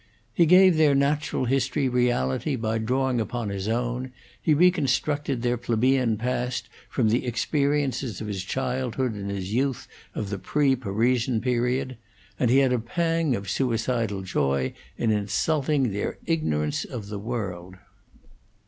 He gave their natural history reality by drawing upon his own; he reconstructed their plebeian past from the experiences of his childhood and his youth of the pre Parisian period; and he had a pang of suicidal joy in insulting their ignorance of the world.